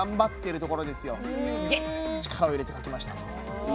力を入れて描きました。